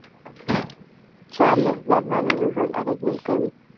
چار مغز د افغانانو ژوند اغېزمن کوي.